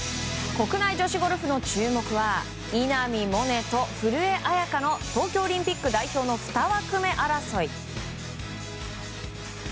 国内女子ゴルフの注目は稲見萌寧と古江彩佳の東京オリンピック代表の２枠目争い。